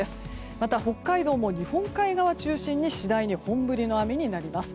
また、北海道も日本海側を中心に次第に本降りの雨になります。